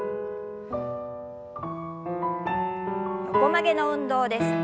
横曲げの運動です。